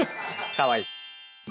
かわいい。